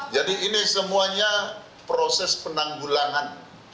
jadi ini semuanya proses penanggulangan